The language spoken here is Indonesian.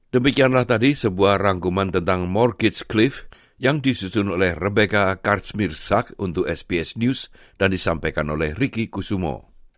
demikianlah tadi sebuah rangkuman tentang mortgage cliff yang disusun oleh rebecca kartsmirsak untuk sps news dan disampaikan oleh ricky kusumo